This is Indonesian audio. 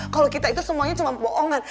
kalau kita itu semuanya cuma kebohongan